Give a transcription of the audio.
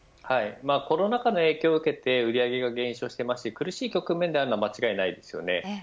コロナ禍の影響を受けて売り上げが減少しますし苦しい局面なのは間違いないです。